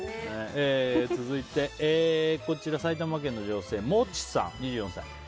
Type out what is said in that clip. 続いて、埼玉県の女性、２４歳。